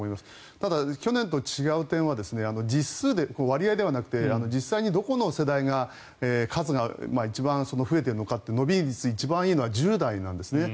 ただ、去年と違う点は割合ではなくて実数実際にどこの世代の数が一番増えているのかって伸び率が一番いいのは１０代なんですね。